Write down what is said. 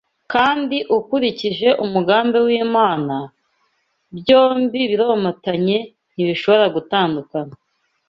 kandi ukurikije umugambi w’Imana, byombi biromatanye ntibishobora gutandukana